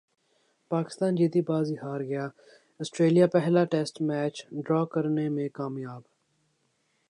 پاکستان جیتی بازی ہار گیا سٹریلیا پہلا ٹیسٹ میچ ڈرا کرنے میں کامیاب